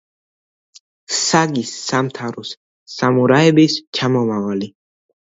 საგის სამთავროს სამურაების ჩამომავალი.